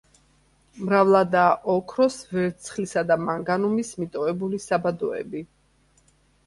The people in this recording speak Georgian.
მრავლადაა ოქროს, ვერცხლისა და მანგანუმის მიტოვებული საბადოები.